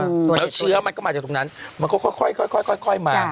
แล้วเชื้อมันก็มาจากตรงนั้นมันก็ค่อยมา